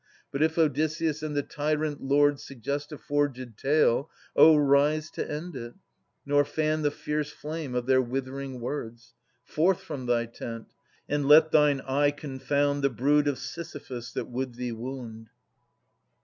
But if Odysseus and the tyrant lords Suggest a forged tale, O rise to end it, Nor fan the fierce flame of their withering words ! Forth from thy tent, and let thine eye confound The brood of Sisyphus^ that would thee wound!